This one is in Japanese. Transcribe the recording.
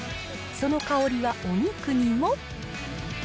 その香りはお肉にも。